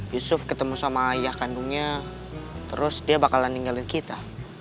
yusuf ketemu sama ayah kandungnya terus dia bakalan ninggalin kita